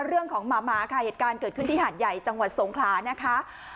เรื่องของหมาหมาค่ะเหตุการณ์เกิดขึ้นที่หาดใหญ่จังหวัดสงขลานะคะ